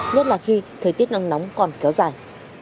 nhất là khi thời tiết nắng nóng còn kéo dài